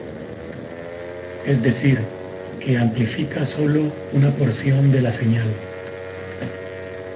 Es decir, que amplifica solo una porción de la señal.